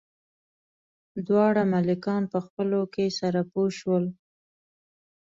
دواړه ملکان په خپلو کې سره پوه شول.